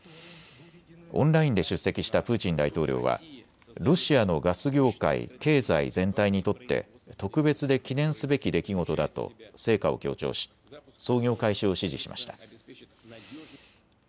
オンラインで出席したプーチン大統領はロシアのガス業界、経済全体にとって特別で記念すべき出来事だと成果を強調し操業開始を指示しました。